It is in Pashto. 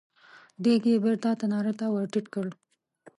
دېګ يې بېرته تناره ته ور ټيټ کړ.